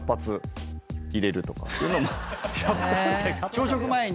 朝食前に？